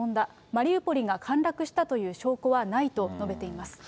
マリウポリが陥落したという証拠はないと述べています。